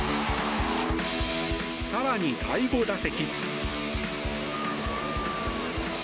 更に、第５打席。